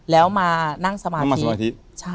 แล้วมานั่งสมาธิมาสมาธิ